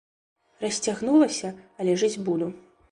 Расцягнулася, але жыць буду.